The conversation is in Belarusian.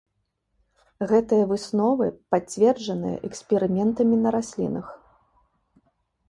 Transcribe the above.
Гэтыя высновы пацверджаныя эксперыментамі на раслінах.